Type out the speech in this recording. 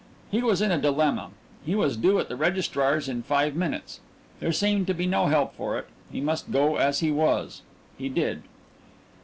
He was in a dilemma. He was due at the registrar's in five minutes. There seemed to be no help for it he must go as he was. He did.